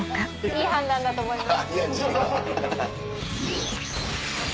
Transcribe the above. いい判断だと思います。